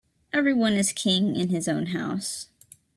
Every one is king in his own house.